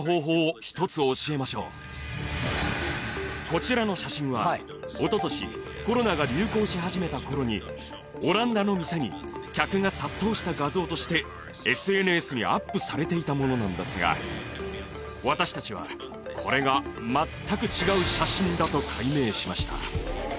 こちらの写真は一昨年コロナが流行し始めた頃にオランダの店に客が殺到した画像としてＳＮＳにアップされていたものなんですが私たちはこれが全く違う写真だと解明しました。